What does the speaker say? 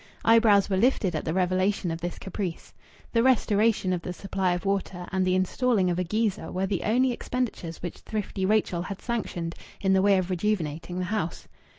Eyebrows were lifted at the revelation of this caprice. The restoration of the supply of water and the installing of a geyser were the only expenditures which thrifty Rachel had sanctioned in the way of rejuvenating the house.